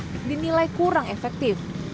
yang menurut mereka kurang efektif